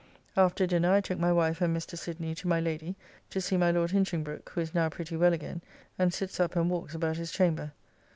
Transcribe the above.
After dinner I took my wife and Mr. Sidney to my Lady to see my Lord Hinchingbroke, who is now pretty well again, and sits up and walks about his chamber.